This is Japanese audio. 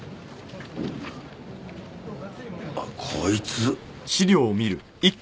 あこいつ。